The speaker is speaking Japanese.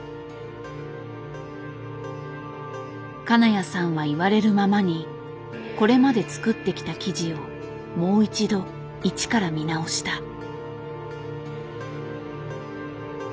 金谷さんは言われるままにこれまで作ってきた生地をもう一度一から見直した。